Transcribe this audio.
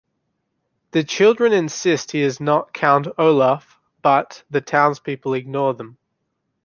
The children insist he is not Count Olaf, but the townspeople ignore them.